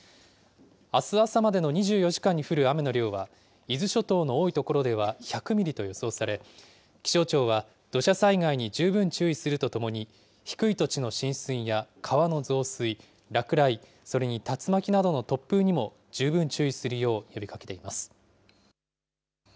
あす朝までの２４時間に降る雨の量は、伊豆諸島の多い所では１００ミリと予想され、気象庁は土砂災害に十分注意するとともに、低い土地の浸水や川の増水、落雷、それに竜巻などの突風にも十分注意するよう呼びかけています。